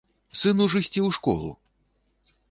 Сыну ж ісці ў школу!